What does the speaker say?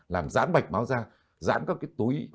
làm giãn mạch máu ra giãn các cái túi